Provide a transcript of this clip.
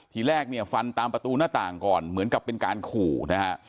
ทีแรกเนี่ยฟันตามประตูหน้าต่างก่อนเหมือนกับเป็นการขู่นะฮะ